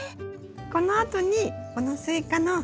このあとにこのスイカの。